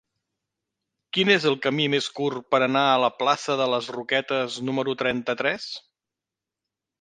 Quin és el camí més curt per anar a la plaça de les Roquetes número trenta-tres?